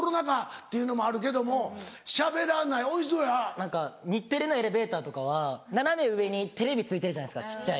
何か日テレのエレベーターとかは斜め上にテレビついてるじゃないですか小っちゃい。